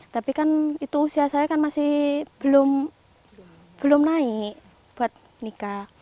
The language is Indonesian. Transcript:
tapi kan itu usia saya kan masih belum naik buat nikah